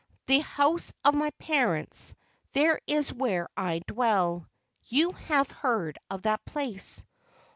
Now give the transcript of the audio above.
The house of my parents—there is where I dwell. You have heard of that place."